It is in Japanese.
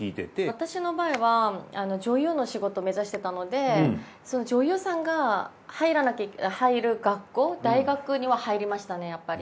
私の場合は女優の仕事目指してたので女優さんが入る学校大学には入りましたねやっぱり。